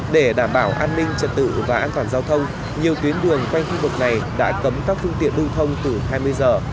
để đảm bảo an ninh trật tự và an toàn giao thông nhiều tuyến đường quanh khu vực này đã cấm các phương tiện lưu thông từ hai mươi giờ